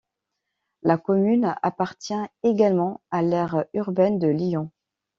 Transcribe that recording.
La commune appartient également à l'aire urbaine de Lyon.